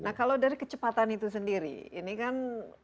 nah kalau dari kecepatan itu sendiri ini kan